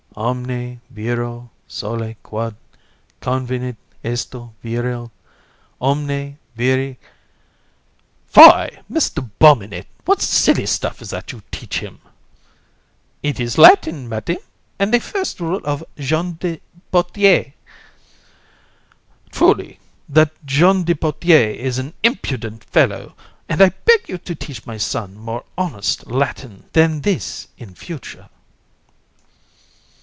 COUN. Omne viro soli quod convenit esto virile, Omne viri.... COUN. Fie! Mr. Bobinet; what silly stuff is that you teach him? BOB. It is Latin, Madam, and the first rule of Jean Despautère. COUN. Truly, that Jean Despautère is an impudent fellow, and I beg you to teach my son more honest Latin than this is in future.